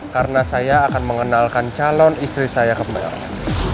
karena saya akan mengenalkan calon istri saya kembali